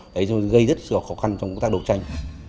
đấy gây rất khó khăn trong công tác đấu tranh